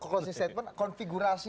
konsep statement konfigurasi